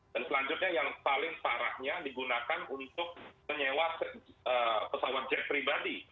dan selanjutnya yang paling parahnya digunakan untuk menyewa pesawat jet pribadi